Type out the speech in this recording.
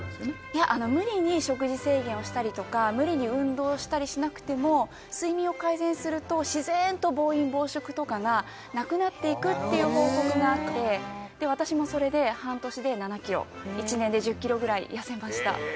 いや無理に食事制限をしたりとか無理に運動をしたりしなくても睡眠を改善すると自然と暴飲暴食とかがなくなっていくっていう報告があって私もそれで半年で７ｋｇ１年で１０ｋｇぐらい痩せました